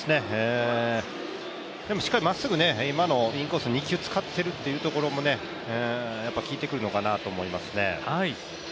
でもしっかりまっすぐ、インコースに今２球使っているというのも効いてくるのかなと思いますね。